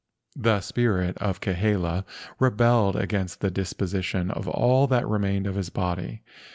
The spirit of Kahele rebelled against this dis¬ position of all that remained of his body.